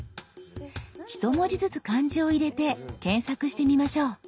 一文字ずつ漢字を入れて検索してみましょう。